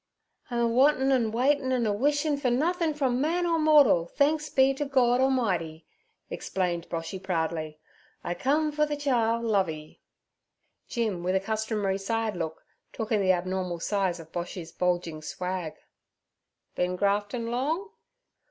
'I'm a wantin', an' awaitin', an' a wishin' fer nothin' from man ur mortal, thenks be ter Gord Amighty'explained Boshy proudly. 'I've come fer ther chile Lovey. Jim, with a customary side look, took in the abnormal size of Boshy's bulging swag. 'Bin graftin' long?'